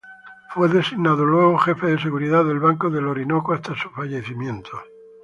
Luego fue designado Jefe de Seguridad del "Banco del Orinoco" hasta su fallecimiento.